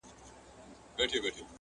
مکتب د میني محبت ومه زه.